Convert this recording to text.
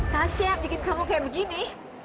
tak siap bikin kamu kayak begini